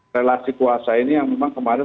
relasi kuasa ini yang memang kemarin